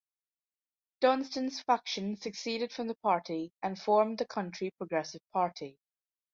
Dunstan's faction seceded from the party and formed the Country Progressive Party.